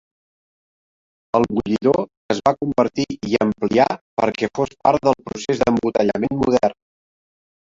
El bullidor es va convertir i ampliar perquè fos part del procés d'embotellament modern.